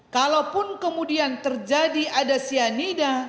kalaupun kemudian terjadi ada cyanida